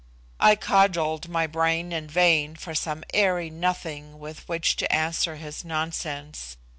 I cudgelled my brain in vain for some airy nothing with which to answer his nonsense.